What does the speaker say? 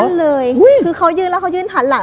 นั่นเลยคือเขายืนแล้วเขายืนหันหลัง